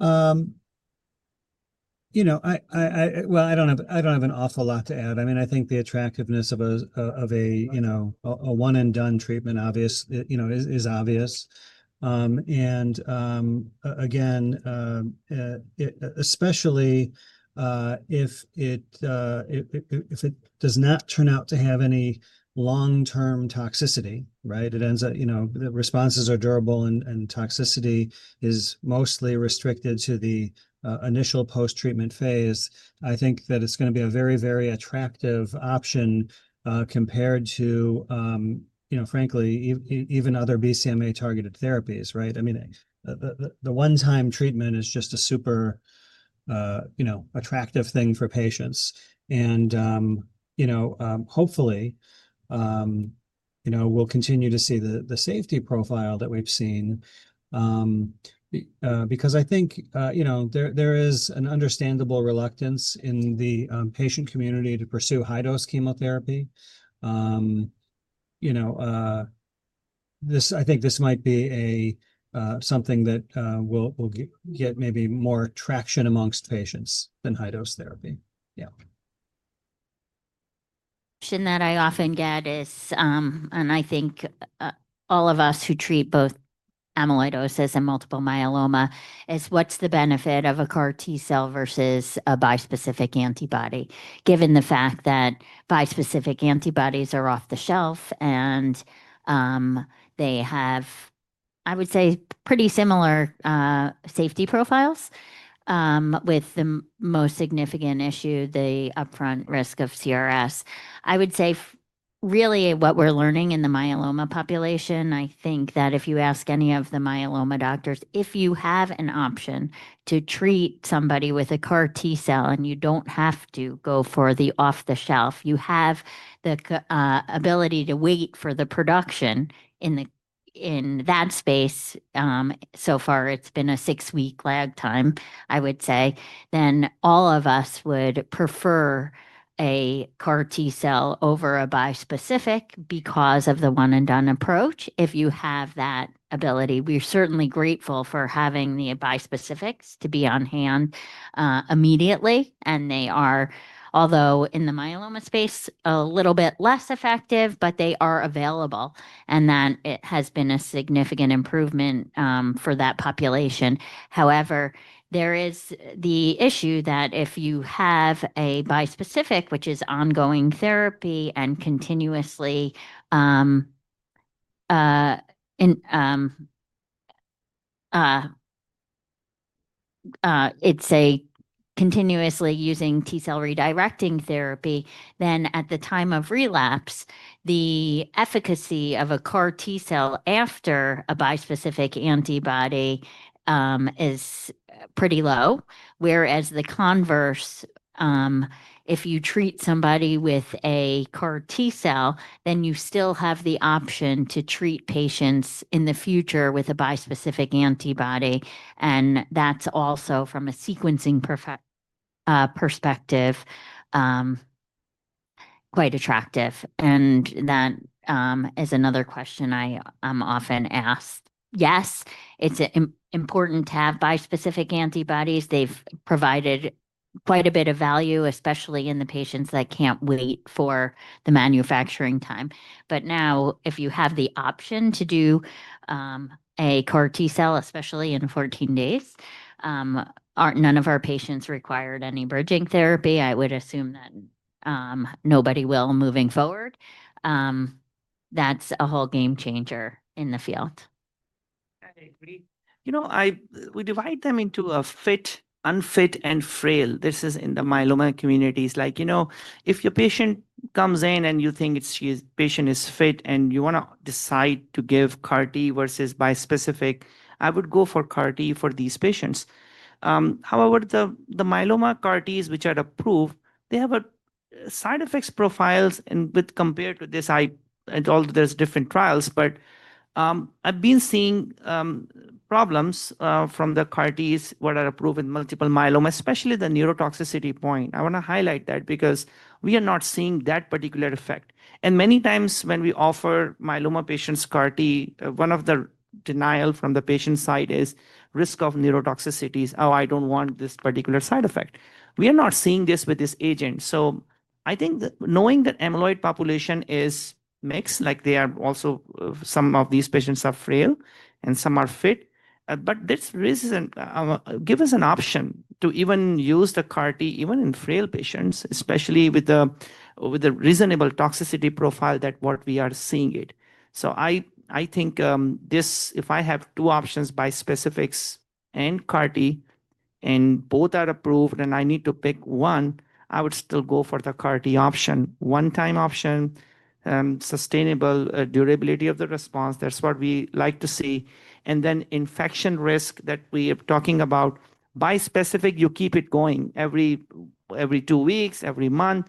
I do not have an awful lot to add. I think the attractiveness of a one-and-done treatment is obvious. Again, especially if it does not turn out to have any long-term toxicity, right? It ends up the responses are durable, and toxicity is mostly restricted to the initial post-treatment phase. I think that it's going to be a very, very attractive option compared to, frankly, even other BCMA-targeted therapies, right? I mean, the one-time treatment is just a super attractive thing for patients. Hopefully, we'll continue to see the safety profile that we've seen because I think there is an understandable reluctance in the patient community to pursue high-dose chemotherapy. I think this might be something that will get maybe more traction amongst patients than high-dose therapy. Yeah. Question that I often get, and I think all of us who treat both amyloidosis and multiple myeloma is, "What's the benefit of a CAR T-cell versus a bispecific antibody?" Given the fact that bispecific antibodies are off the shelf and they have, I would say, pretty similar safety profiles, with the most significant issue, the upfront risk of CRS. I would say really what we're learning in the myeloma population, I think that if you ask any of the myeloma doctors, if you have an option to treat somebody with a CAR T-cell and you don't have to go for the off-the-shelf, you have the ability to wait for the production in that space. So far, it's been a six-week lag time, I would say. Then all of us would prefer a CAR T-cell over a bispecific because of the one-and-done approach. If you have that ability, we're certainly grateful for having the bispecifics to be on hand immediately. They are, although in the myeloma space, a little bit less effective, but they are available. It has been a significant improvement for that population. However, there is the issue that if you have a bispecific, which is ongoing therapy and continuously, it's a continuously using T cell redirecting therapy, then at the time of relapse, the efficacy of a CAR T-cell after a bispecific antibody is pretty low. Whereas the converse, if you treat somebody with a CAR T-cell, you still have the option to treat patients in the future with a bispecific antibody. That is also from a sequencing perspective, quite attractive. That is another question I'm often asked. Yes, it's important to have bispecific antibodies. They've provided quite a bit of value, especially in the patients that can't wait for the manufacturing time. Now, if you have the option to do a CAR T-cell, especially in 14 days, none of our patients required any bridging therapy. I would assume that nobody will moving forward. That's a whole game changer in the field. I agree. We divide them into fit, unfit, and frail. This is in the myeloma communities. If your patient comes in and you think the patient is fit and you want to decide to give CAR T versus bispecific, I would go for CAR T for these patients. However, the myeloma CAR Ts, which are approved, have side effect profiles compared to this. There are different trials, but I've been seeing problems from the CAR Ts that are approved in multiple myeloma, especially the neurotoxicity point. I want to highlight that because we are not seeing that particular effect. Many times when we offer myeloma patients CAR T, one of the denials from the patient's side is risk of neurotoxicities. "Oh, I don't want this particular side effect." We are not seeing this with this agent. I think knowing that amyloid population is mixed, like they are also some of these patients are frail and some are fit. This gives us an option to even use the CAR T even in frail patients, especially with a reasonable toxicity profile that what we are seeing it. I think if I have two options, bispecifics and CAR T, and both are approved and I need to pick one, I would still go for the CAR T option, one-time option, sustainable durability of the response. That's what we like to see. Infection risk that we are talking about, bispecific, you keep it going every two weeks, every month.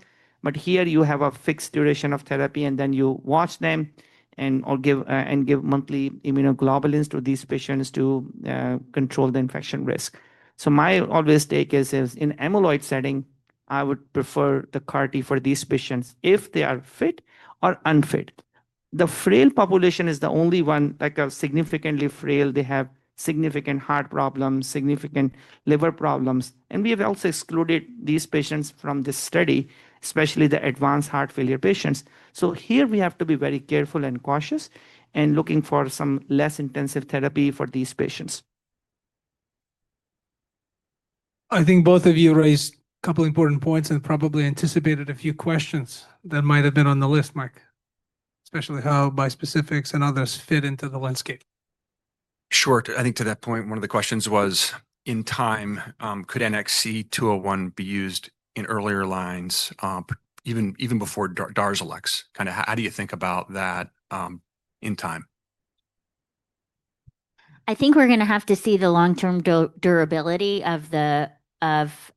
Here you have a fixed duration of therapy, and then you watch them and give monthly immunoglobulins to these patients to control the infection risk. My always take is in amyloid setting, I would prefer the CAR T for these patients if they are fit or unfit. The frail population is the only one that got significantly frail. They have significant heart problems, significant liver problems. We have also excluded these patients from this study, especially the advanced heart failure patients. Here we have to be very careful and cautious and looking for some less intensive therapy for these patients. I think both of you raised a couple of important points and probably anticipated a few questions that might have been on the list, Mike, especially how bispecifics and others fit into the landscape. Sure. I think to that point, one of the questions was, in time, could NXC-201 be used in earlier lines even before Darzalex? Kind of how do you think about that in time? I think we're going to have to see the long-term durability of,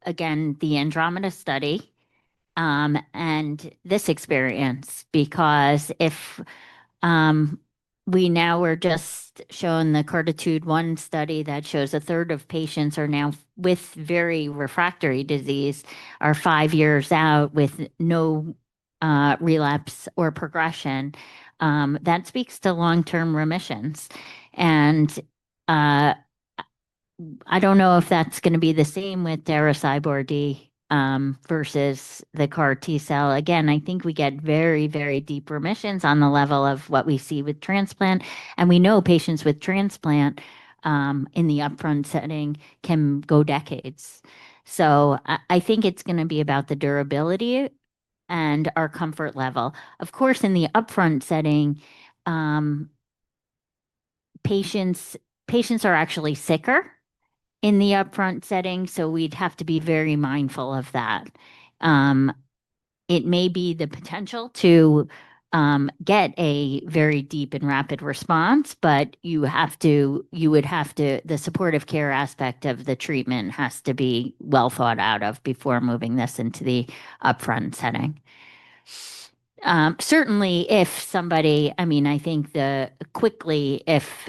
again, the Andromeda study and this experience because if we now were just showing the CARTITUDE-1 study that shows a third of patients are now with very refractory disease are five years out with no relapse or progression, that speaks to long-term remissions. I don't know if that's going to be the same with Darzalex-CyBorD versus the CAR T-cell. Again, I think we get very, very deep remissions on the level of what we see with transplant. We know patients with transplant in the upfront setting can go decades. I think it is going to be about the durability and our comfort level. Of course, in the upfront setting, patients are actually sicker in the upfront setting, so we would have to be very mindful of that. It may be the potential to get a very deep and rapid response, but you would have to—the supportive care aspect of the treatment has to be well thought out before moving this into the upfront setting. Certainly, if somebody—I mean, I think quickly, if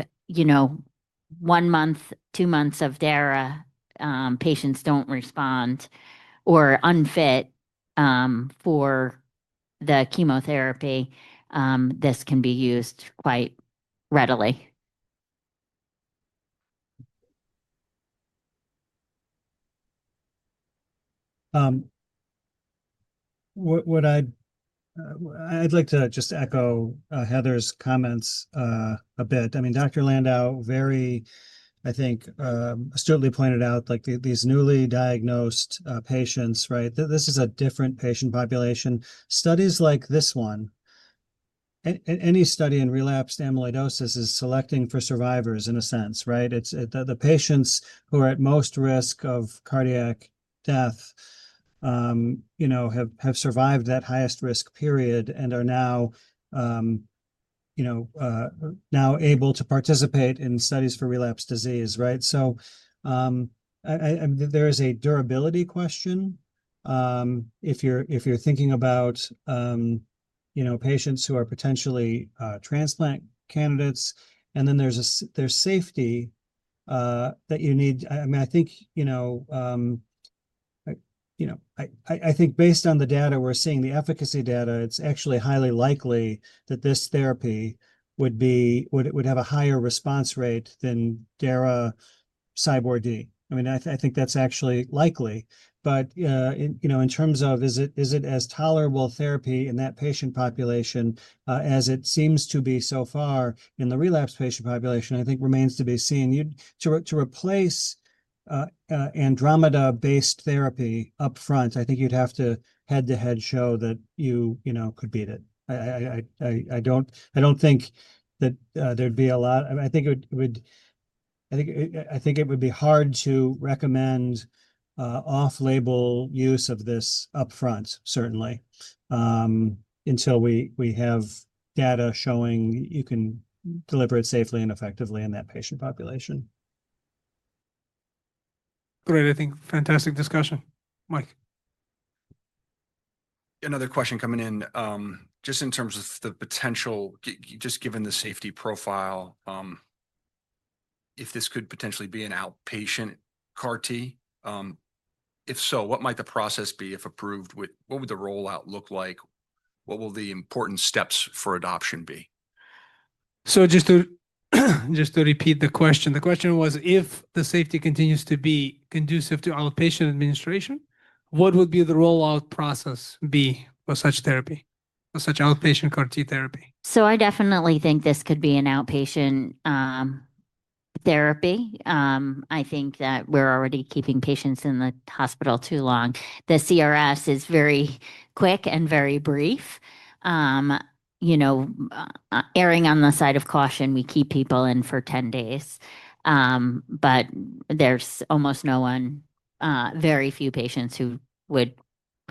one month, two months of Dara, patients do not respond or are unfit for the chemotherapy, this can be used quite readily. I would like to just echo Heather's comments a bit. I mean, Dr. Landau, I think, astutely pointed out these newly diagnosed patients, right? This is a different patient population. Studies like this one, any study in relapsed amyloidosis is selecting for survivors in a sense, right? The patients who are at most risk of cardiac death have survived that highest risk period and are now able to participate in studies for relapsed disease, right? There is a durability question. If you're thinking about patients who are potentially transplant candidates, and then there's safety that you need. I mean, I think based on the data we're seeing, the efficacy data, it's actually highly likely that this therapy would have a higher response rate than Darzalex-CyBorD. I mean, I think that's actually likely. In terms of, is it as tolerable therapy in that patient population as it seems to be so far in the relapsed patient population, I think remains to be seen. To replace Andromeda-based therapy upfront, I think you'd have to head-to-head show that you could beat it. I don't think that there'd be a lot—I think it would be hard to recommend off-label use of this upfront, certainly, until we have data showing you can deliver it safely and effectively in that patient population. Great. I think fantastic discussion. Mike. Another question coming in. Just in terms of the potential, just given the safety profile, if this could potentially be an outpatient CAR T, if so, what might the process be if approved? What would the rollout look like? What will the important steps for adoption be? Just to repeat the question, the question was, if the safety continues to be conducive to outpatient administration, what would the rollout process be for such therapy, for such outpatient CAR T therapy? I definitely think this could be an outpatient therapy. I think that we're already keeping patients in the hospital too long. The CRS is very quick and very brief. Erring on the side of caution, we keep people in for 10 days. There is almost no one, very few patients who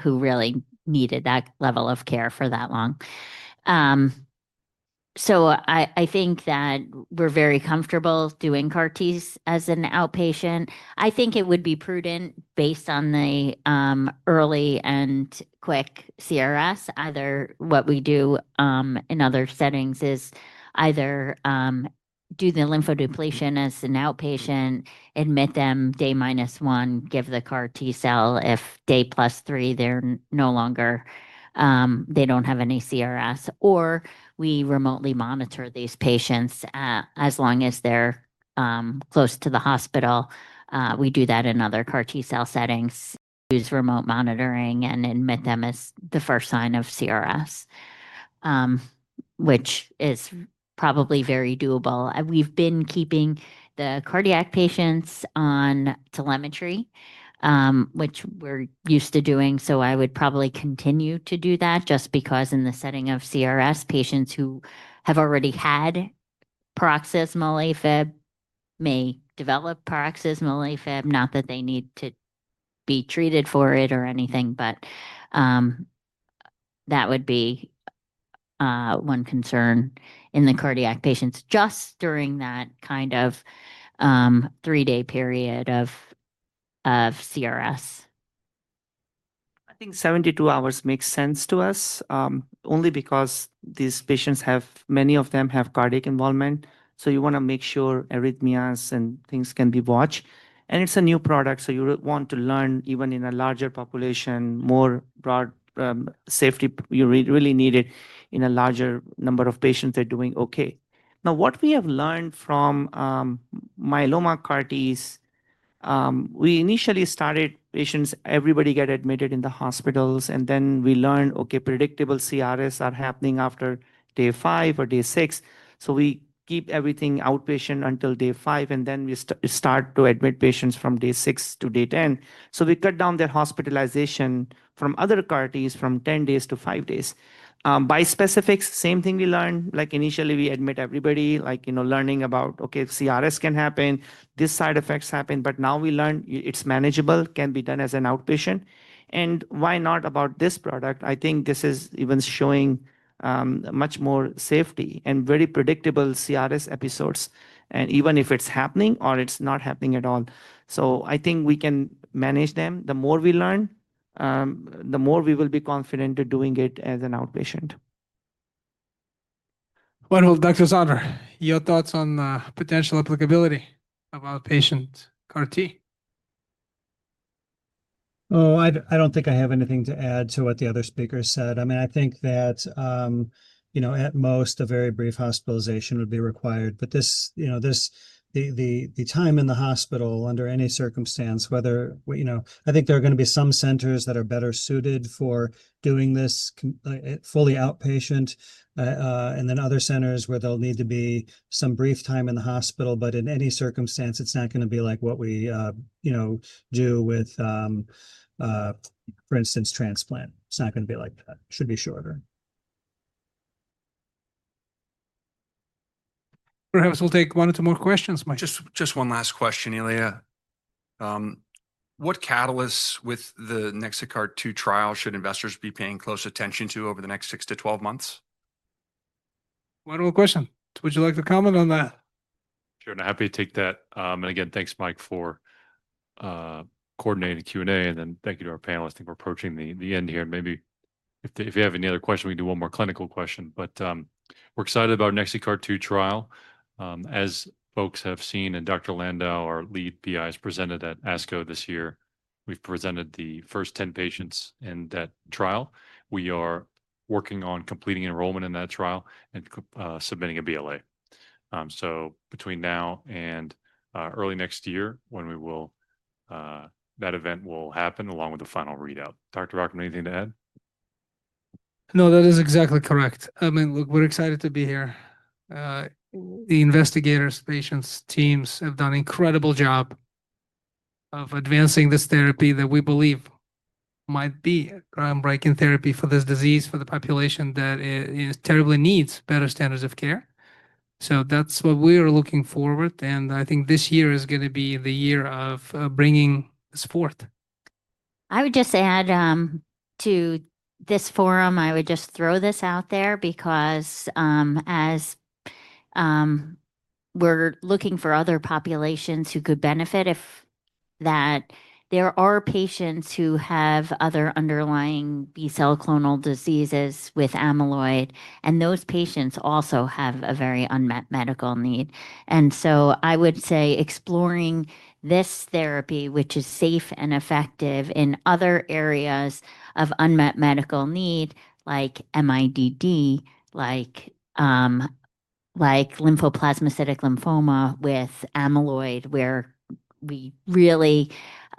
really needed that level of care for that long. I think that we're very comfortable doing CAR Ts as an outpatient. I think it would be prudent based on the early and quick CRS. Either what we do in other settings is either do the lymphodepletion as an outpatient, admit them day minus one, give the CAR T cell. If day plus three, they don't have any CRS. Or we remotely monitor these patients as long as they're close to the hospital. We do that in other CAR T-cell settings, use remote monitoring, and admit them at the first sign of CRS, which is probably very doable. We've been keeping the cardiac patients on telemetry, which we're used to doing. I would probably continue to do that just because in the setting of CRS, patients who have already had paroxysmal AFib may develop paroxysmal AFib, not that they need to be treated for it or anything. That would be one concern in the cardiac patients just during that kind of three-day period of CRS. I think 72 hours makes sense to us only because these patients, many of them have cardiac involvement. You want to make sure arrhythmias and things can be watched. It is a new product. You want to learn even in a larger population, more broad safety. You really need it in a larger number of patients that are doing okay. What we have learned from myeloma CAR Ts, we initially started patients, everybody got admitted in the hospitals. We learned predictable CRS are happening after day five or day six. We keep everything outpatient until day five, and then we start to admit patients from day six to day ten. We cut down their hospitalization from other CAR Ts from 10 days to five days. Bispecifics, same thing we learned. Initially, we admit everybody, learning about CRS can happen, these side effects happen. Now we learn it is manageable, can be done as an outpatient. Why not about this product? I think this is even showing much more safety and very predictable CRS episodes. And even if it's happening or it's not happening at all. I think we can manage them. The more we learn, the more we will be confident in doing it as an outpatient. Wonderful. Dr. Zander, your thoughts on potential applicability of outpatient CAR T? Oh, I don't think I have anything to add to what the other speakers said. I mean, I think that at most, a very brief hospitalization would be required. The time in the hospital under any circumstance, whether I think there are going to be some centers that are better suited for doing this fully outpatient, and then other centers where they'll need to be some brief time in the hospital. In any circumstance, it's not going to be like what we do with, for instance, transplant. It's not going to be like that. It should be shorter. Perhaps we'll take one or two more questions, Mike. Just one last question, Ilya. What catalysts with the NEXICART-2 trial should investors be paying close attention to over the next 6-12 months? Wonderful question. Would you like to comment on that? Sure. I'm happy to take that. Again, thanks, Mike, for coordinating the Q&A. Thank you to our panelists. I think we're approaching the end here. Maybe if you have any other questions, we can do one more clinical question. We're excited about the NEXICART-2 trial. As folks have seen, Dr. Heather Landau, our lead PI, presented at ASCO this year. We've presented the first 10 patients in that trial. We are working on completing enrollment in that trial and submitting a BLA. Between now and early next year, that event will happen along with the final readout. Dr. Rachman, anything to add? No, that is exactly correct. I mean, look, we're excited to be here. The investigators, patients, teams have done an incredible job of advancing this therapy that we believe might be groundbreaking therapy for this disease for the population that terribly needs better standards of care. That is what we are looking forward to. I think this year is going to be the year of bringing this forth. I would just add to this forum, I would just throw this out there because as we're looking for other populations who could benefit, if there are patients who have other underlying B-cell clonal diseases with amyloid, those patients also have a very unmet medical need. I would say exploring this therapy, which is safe and effective in other areas of unmet medical need, like MIDD, like lymphoplasmacytic lymphoma with amyloid, where we really do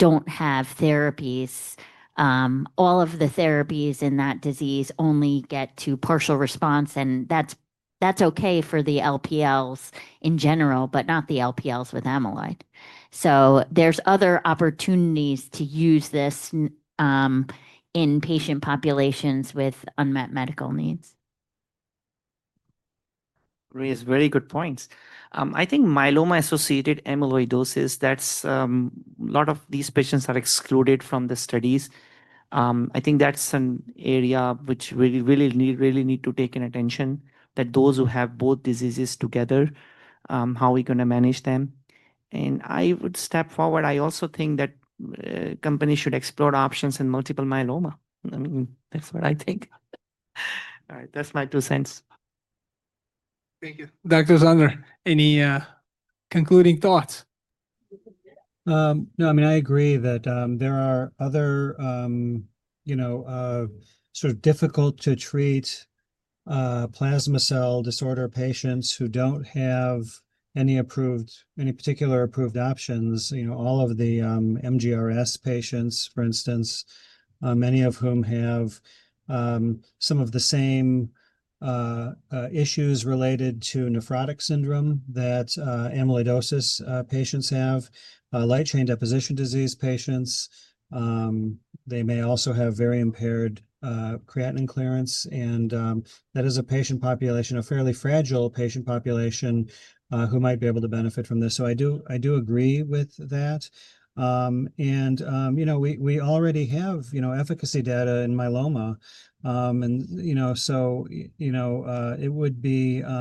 not have therapies. All of the therapies in that disease only get to partial response. That is okay for the LPLs in general, but not the LPLs with amyloid. There are other opportunities to use this in patient populations with unmet medical needs. Really, very good points. I think myeloma-associated amyloidosis, a lot of these patients are excluded from the studies. I think that is an area which we really need to take in attention, that those who have both diseases together, how are we going to manage them? I would step forward. I also think that companies should explore options in multiple myeloma. I mean, that is what I think. All right. That is my two cents. Thank you. Dr. Zander, any concluding thoughts? No, I mean, I agree that there are other sort of difficult-to-treat plasma cell disorder patients who do not have any particular approved options. All of the MGRS patients, for instance, many of whom have some of the same issues related to nephrotic syndrome that amyloidosis patients have, light chain deposition disease patients. They may also have very impaired creatinine clearance. That is a patient population, a fairly fragile patient population who might be able to benefit from this. I do agree with that. We already have efficacy data in myeloma. It would be—I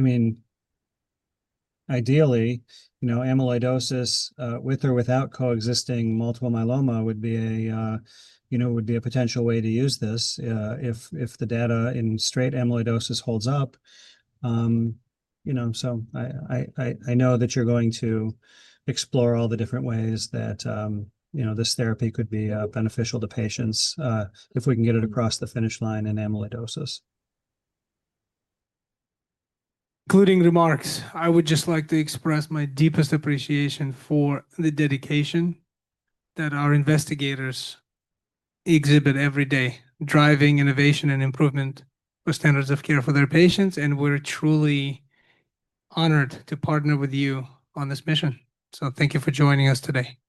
mean, ideally, amyloidosis with or without coexisting multiple myeloma would be a potential way to use this if the data in straight amyloidosis holds up. I know that you're going to explore all the different ways that this therapy could be beneficial to patients if we can get it across the finish line in amyloidosis. Including remarks, I would just like to express my deepest appreciation for the dedication that our investigators exhibit every day, driving innovation and improvement for standards of care for their patients. We're truly honored to partner with you on this mission. Thank you for joining us today. Thank you, Dr.